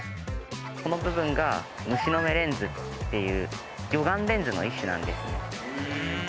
この部分が「虫の眼レンズ」っていう魚眼レンズの一種なんですね。